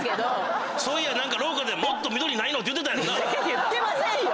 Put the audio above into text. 言ってませんよ！